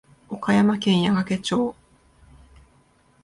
岡山県矢掛町